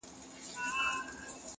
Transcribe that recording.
پر هر ګام باندي لحد او کفن زما دی-